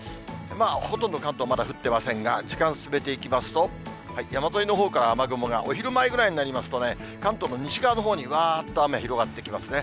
ほとんど関東は降ってませんが、時間進めていきますと、山沿いのほうから雨雲がお昼前ぐらいになりますと、関東の西側のほうに、わーっと雨、広がってきますね。